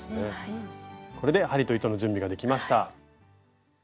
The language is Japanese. これで針と糸の準備ができました。